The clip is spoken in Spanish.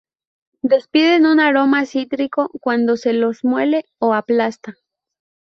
Despiden un aroma cítrico cuando se los muele o aplasta.